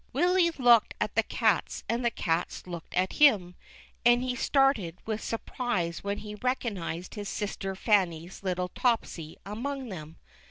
Willy looked at the cats and the cats looked at him, and he started with surprise when he recognized his sister Fanny's little Topsy among them.